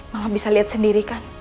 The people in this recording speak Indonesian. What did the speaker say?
mama bisa lihat sendirikan